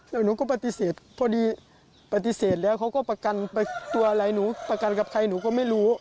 แล้วหนูก็ปฏิเสธพอดีปฏิเสธแล้วเขาก็ประกันตัวอะไรหนูประกันกับใครหนูก็ไม่รู้